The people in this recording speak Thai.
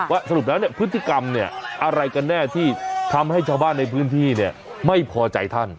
สรุปแล้วเนี่ยพฤติกรรมเนี่ยอะไรกันแน่ที่ทำให้ชาวบ้านในพื้นที่เนี่ยไม่พอใจท่าน